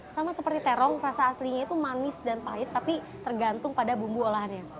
sama seperti terong rasa aslinya itu manis dan pahit tapi tergantung pada bumbu olahannya